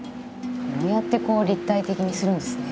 こうやってこう立体的にするんですね。